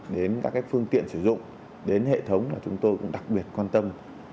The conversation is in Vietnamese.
đến các phương tiện sử dụng đến hệ thống là chúng tôi cũng đặc biệt quan tâm